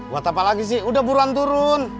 buat apa lagi sih udah buruan turun